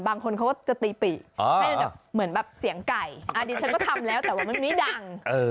บางคนเขาก็จะตีปีกให้แบบเหมือนแบบเสียงไก่อันนี้ฉันก็ทำแล้วแต่ว่ามันไม่ดัง